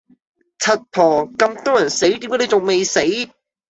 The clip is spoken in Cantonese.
柒婆！咁多人死點解你仲未死